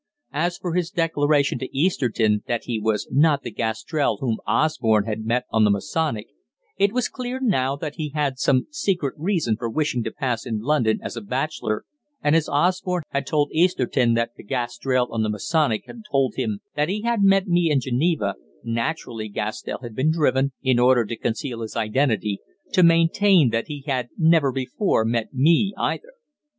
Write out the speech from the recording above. As for his declaration to Easterton that he was not the Gastrell whom Osborne had met on the Masonic, it was clear now that he had some secret reason for wishing to pass in London as a bachelor, and as Osborne had told Easterton that the Gastrell on the Masonic had told him that he had met me in Geneva, naturally Gastrell had been driven in order to conceal his identity to maintain that he had never before met me either.